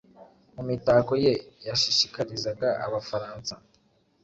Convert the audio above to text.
Mu mitako ye yashishikarizaga Abafaransa